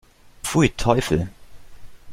Pfui, Teufel!